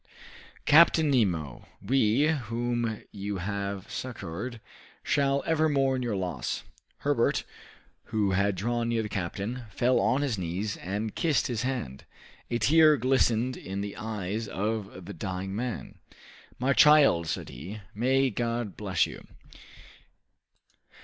Captain Nemo, we, whom you have succored, shall ever mourn your loss." Herbert, who had drawn near the captain, fell on his knees and kissed his hand. A tear glistened in the eyes of the dying man. "My child," he said, "may God bless you!"